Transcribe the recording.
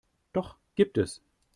Doch gibt es.